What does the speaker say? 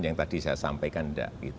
yang tadi saya sampaikan tidak